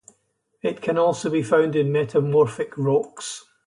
It can also be found in metamorphic rocks.